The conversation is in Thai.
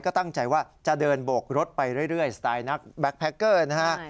ก็ตั้งใจว่าจะเดินโบกรถไปเรื่อยสไตล์นักแก๊แพคเกอร์นะฮะ